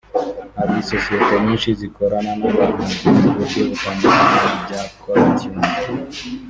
Hari isosiyeti nyinshi zikorana n’abahanzi mu buryo butandukanye mu bya caller tune